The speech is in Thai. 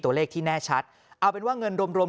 ตัวเลขที่แน่ชัดเอาเป็นว่าเงินรวมรวม